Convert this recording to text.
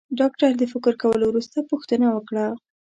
ډاکټر د فکر کولو وروسته پوښتنه وکړه.